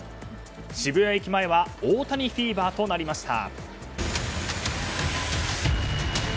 渋谷駅前は大谷フィーバーとなりました。